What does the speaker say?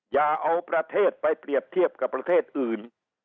อย่าเอาประเทศไปเปรียบเทียบกับประเทศอื่น